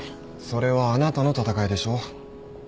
それはあなたの戦いでしょう。